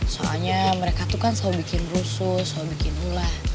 soalnya mereka tuh kan selalu bikin rusuh selalu bikin gula